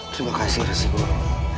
terima kasih guru